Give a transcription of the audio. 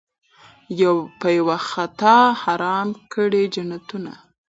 په یوه خطا حرام کړي جنتونه